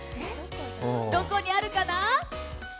どこにあるかな？